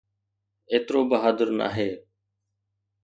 ايترو بهادر ناهي.